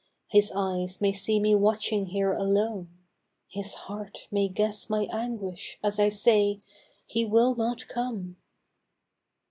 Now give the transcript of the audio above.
His eyes may see me watching here alone. His heart may guess my anguish as I say, " He will not come !""//<? will not Come!'